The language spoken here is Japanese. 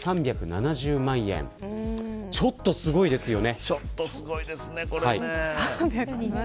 ちょっとすごいですよね。